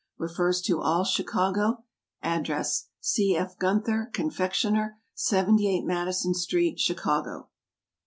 Refers to all Chicago. Address C. F. GUNTHER, Confectioner, 78 MADISON STREET, CHICAGO.